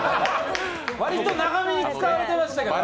割と長めに使われてましたから。